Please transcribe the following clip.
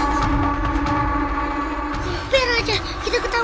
tidak raja kita ketahuan